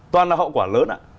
toàn là hậu quả lớn